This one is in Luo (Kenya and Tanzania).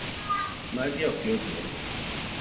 Magi ok yudre.